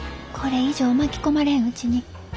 これ以上巻き込まれんうちに。